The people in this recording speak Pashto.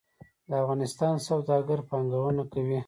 د افغانستان سوداګر پانګونه کوي